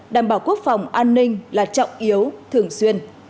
đảm bảo quốc phòng an ninh là trọng yếu thường xuyên